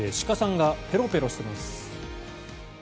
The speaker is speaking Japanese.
鹿さんがペロペロしてます。